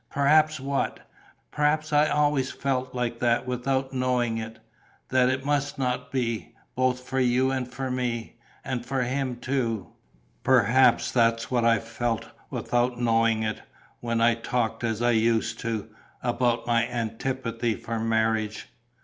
"Perhaps what?" "Perhaps I always felt like that, without knowing it, that it must not be. Both for you and for me ... and for him too.... Perhaps that was what I felt, without knowing it, when I talked as I used to, about my antipathy for marriage."